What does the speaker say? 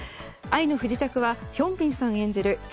「愛の不時着」はヒョンビンさん演じる